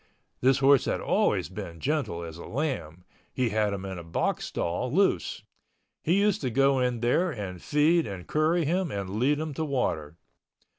This horse had always been gentle as a lamb. He had him in a box stall loose. He used to go in there and feed and curry him and lead him to water.